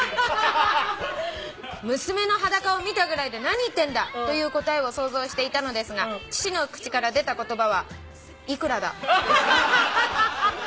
「娘の裸を見たぐらいで何言ってんだ！という答えを想像していたのですが父の口から出た言葉は『幾らだ？』」